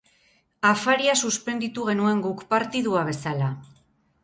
Afaria suspenditu genuen guk, partidua bezala.